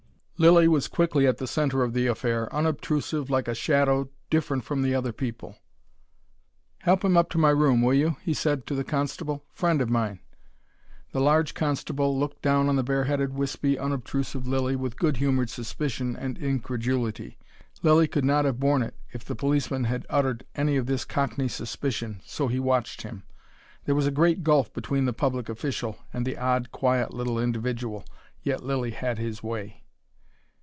Lilly was quickly at the centre of the affair, unobtrusive like a shadow, different from the other people. "Help him up to my room, will you?" he said to the constable. "Friend of mine." The large constable looked down on the bare headed wispy, unobtrusive Lilly with good humoured suspicion and incredulity. Lilly could not have borne it if the policeman had uttered any of this cockney suspicion, so he watched him. There was a great gulf between the public official and the odd, quiet little individual yet Lilly had his way.